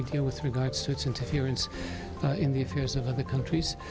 dengan mengetahui interferensi mereka dengan negara lain